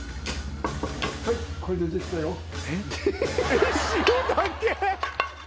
えっ塩だけ？